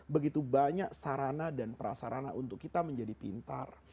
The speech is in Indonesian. begitu banyak sarana dan prasarana untuk kita menjadi pintar